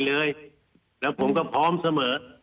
ไปเลยแล้วผมก็พร้อมเสมอ